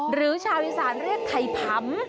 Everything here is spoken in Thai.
หรือชาวอีสานเรียกไทยพำ